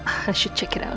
aku harus cekin